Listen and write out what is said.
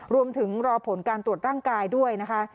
รอผลการตรวจร่างกายด้วยนะคะ